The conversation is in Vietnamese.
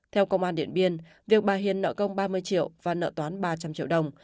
theo công an điện biên việc bà hiền nợ công ba mươi triệu và nợ toán ba trăm linh triệu đồng